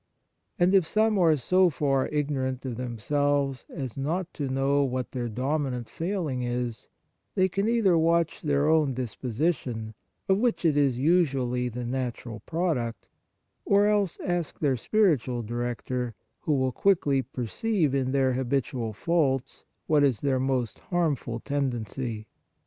And if some are so far ignorant of them selves as not to know what their dominant failing is, they can either watch their own disposition, of which it is usually the natural product, or else ask their spiritual director, who will quickly perceive in their habitual faults what is their most harmful tendency.